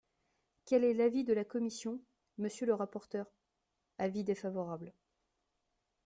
Quel est l’avis de la commission, monsieur le rapporteur ? Avis défavorable.